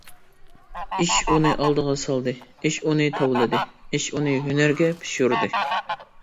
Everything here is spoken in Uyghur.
ئىش ئۇنى ئالدىغا سالدى، ئىش ئۇنى تاۋلىدى، ئىش ئۇنى ھۈنەرگە پىشۇردى.